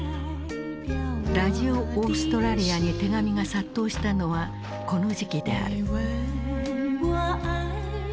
ラジオ・オーストラリアに手紙が殺到したのはこの時期である。